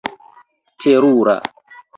terura